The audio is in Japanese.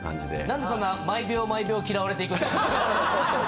何でそんな毎秒毎秒嫌われていくんですか？